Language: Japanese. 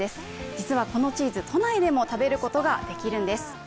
実はこのチーズ、都内でも食べることができるんです。